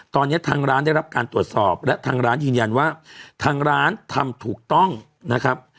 ตอนนี้ทางร้านได้รับการตรวจสอบและทางร้านยืนยันว่าทางร้านทำถูกต้องนะครับ